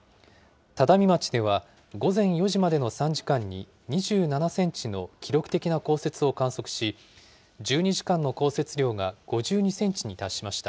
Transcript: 只見町では、午前４時までの３時間に２７センチの記録的な降雪を観測し、１２時間の降雪量が５２センチに達しました。